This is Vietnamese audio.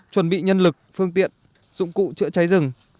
chuẩn bị nhân lực phương tiện dụng cụ chữa cháy rừng